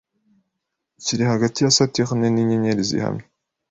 kiri hagati ya Saturne ninyenyeri zihamye